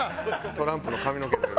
トランプの髪の毛の色や。